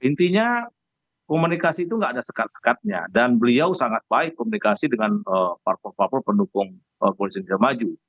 intinya komunikasi itu tidak ada sekat sekatnya dan beliau sangat baik komunikasi dengan parpol parpol pendukung koalisi indonesia maju